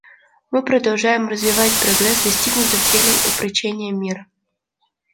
Мы продолжаем развивать прогресс, достигнутый в деле упрочения мира.